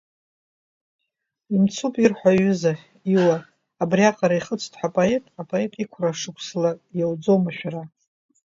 Имцуп ирҳәо, аҩыза, Иуа, абриаҟара ихыҵт ҳәа апоет, апоет иқәра шықәсла иоуӡом ашәара!